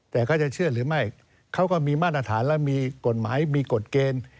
แต่เขาจะเชื่อหรือไม่เขาก็มีมาตรฐานและมีกฎหมายมีกฎเกณฑ์